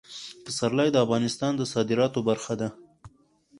پسرلی د افغانستان د صادراتو برخه ده.